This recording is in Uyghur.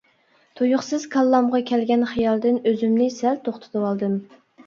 تۇيۇقسىز كاللامغا كەلگەن خىيالدىن ئۆزۈمنى سەل توختىتىۋالدىم.